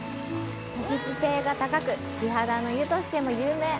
保湿性が高く、美肌の湯としても有名。